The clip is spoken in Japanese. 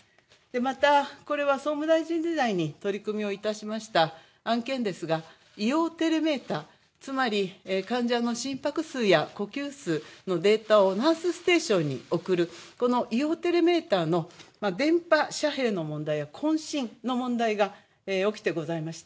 また、これは総務大臣時代に取り組みをいたしました案件ですが医療テレメーター、つまり患者の心拍数や呼吸数のデータをナースステーションに送るこの医療テレメーターの電波遮蔽の問題や混信の問題が起きてございました。